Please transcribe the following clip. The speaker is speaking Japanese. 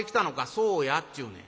「そうやっちゅうねん。